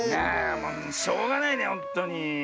しょうがないねほんとに。